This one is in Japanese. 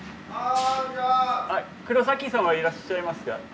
黒さんはいらっしゃいますか？